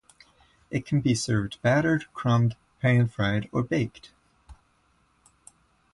It can be served battered, crumbed, pan-fried, or baked.